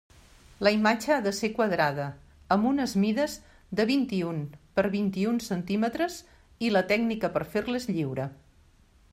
La imatge ha de ser quadrada, amb unes mides de vint-i-un per vint-i-un centímetres, i la tècnica per fer-la és lliure.